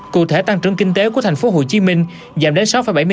cụ thể tăng trưởng kinh tế của thành phố hồ chí minh giảm đến sáu bảy mươi tám